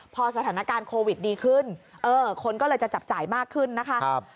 พอสถานการณ์โควิดดีขึ้นคนก็เลยจะจับจ่ายมากขึ้นนะคะ